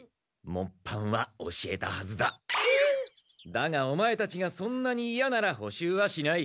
だがオマエたちがそんなにいやならほ習はしない。